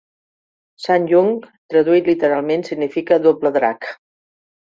"SsangYong", traduït literalment, significa "Doble Drac".